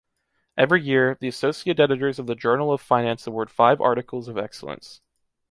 Every year, the associate editors of the Journal of Finance award five articles of excellence.